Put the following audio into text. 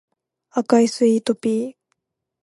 赤いスイートピー